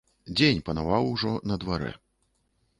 Дзень панаваў ужо на дварэ.